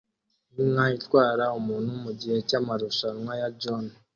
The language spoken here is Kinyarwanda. Inka itwara umuntu mugihe cyamarushanwa ya john